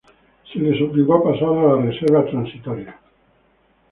Se les obligó a pasar a la Reserva Transitoria.